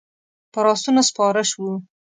پر آسونو سپاره شوو.